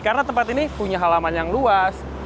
karena tempat ini punya halaman yang luas